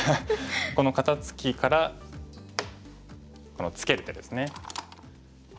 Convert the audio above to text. この肩ツキからこのツケる手ですね。